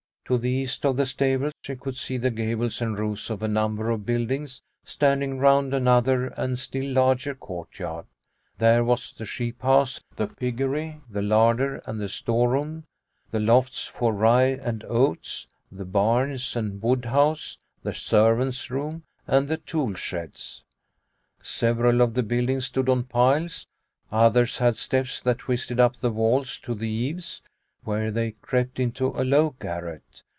To the east of the stable she could see the gables and roofs of a number of buildings, standing round another and still larger courtyard. There was the sheep house, the piggery, the larder, 29 30 Liliecrona's Home and the storeroom, the lofts for rye and oats, the barns and wood house, the servants' room, and the tool sheds. Several of the buildings stood on piles, others had steps that twisted up the walls to the eaves, where they crept into a low garret.